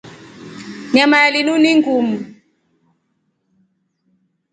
Nyama ya linu ni ngiumu.